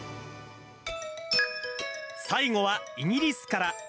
最後は、イギリスから。